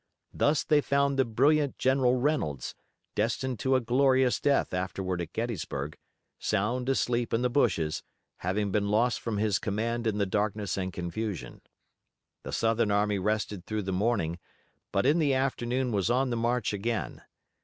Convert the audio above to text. Thus they found the brilliant General Reynolds, destined to a glorious death afterward at Gettysburg, sound asleep in the bushes, having been lost from his command in the darkness and confusion. The Southern army rested through the morning, but in the afternoon was on the march again.